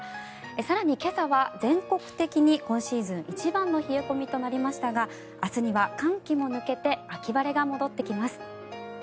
更に、今朝は全国的に今シーズン一番の冷え込みとなりましたが明日には寒気も抜けて秋晴れが戻ってきます。